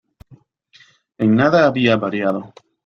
En nada había variado.